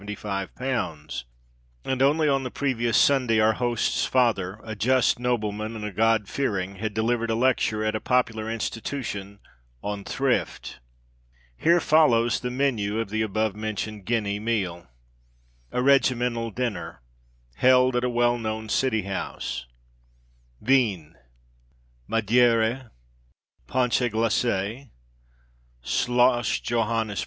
And only on the previous Sunday, our host's father a just nobleman and a God fearing had delivered a lecture, at a popular institution, on "Thrift." Here follows the menu of the above mentioned guinea meal, A Regimental Dinner, held at a well known city house. Vins. | Hors d'OEuvres. | Crevettes.